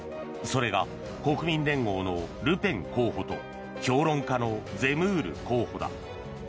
それが国民連合のルペン候補と評論家のゼムール候補だ。